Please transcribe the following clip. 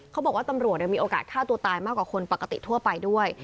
เขาบอกว่าตำรวจมีโอกาสฆ่าตัวตายมากกว่าคนปกติทั่วไปด้วย